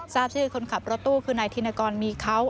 ทราบชื่อคนขับรถตู้คือนายธินกรมีเขา